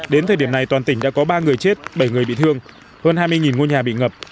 đến thời điểm này toàn tỉnh đã có ba người chết bảy người bị thương hơn hai mươi ngôi nhà bị ngập